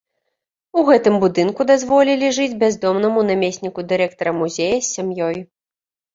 У гэтым будынку дазволілі жыць бяздомнаму намесніку дырэктара музея з сям'ёй.